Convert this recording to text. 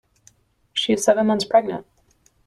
She is seven months pregnant.